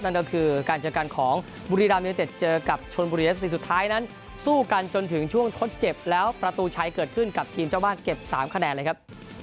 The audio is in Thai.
นั่นก็คือการเจอกันของบุรีรามยูเนเต็ดเจอกับชนบุรีเอฟซีสุดท้ายนั้นสู้กันจนถึงช่วงทดเจ็บแล้วประตูชัยเกิดขึ้นกับทีมเจ้าบ้านเก็บ๓คะแนนเลยครับ